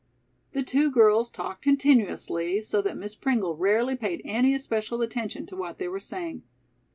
The two girls talked continuously so that Miss Pringle rarely paid any especial attention to what they were saying.